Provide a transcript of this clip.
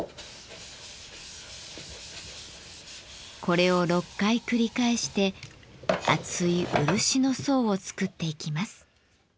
これを６回繰り返して厚い漆の層を作っていきます。